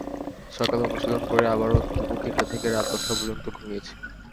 সকালে অনুশীলন করে আবারও দুপুর তিনটা থেকে রাত দশটা পর্যন্ত ঘুমিয়েছি।